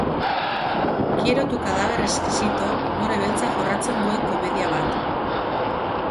Quiero tu cadaver exquisito umore beltza jorratzen duen komedia bat.